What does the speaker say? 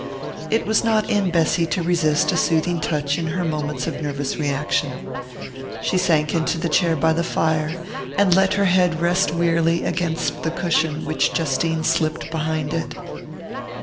It was not in Bessy to resist a soothing touch in her moments of nervous reaction. She sank into the chair by the fire and let her head rest wearily against the cushion which Justine slipped behind it.